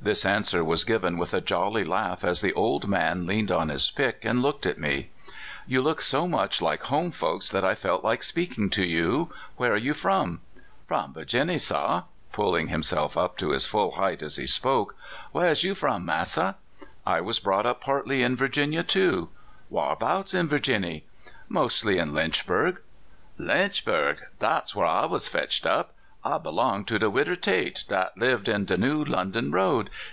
This answer was given with a jolly laugh as the old man leaned on his pick and looked at me. " You looked so much like home folks that I felt like speaking to you. Where are you from?" " From Virginny, sah !" (pulling himself up to his full height as he spoke). "Where's you from, Massa?" " I was brought up partly in Virginia too." " Whar'bouts in Virginny?" "Mostly in Lynchburg." "Lynchburg! dat's whar I was fetched up. I belonged to de Widder Tate, dat lived on de New London Road.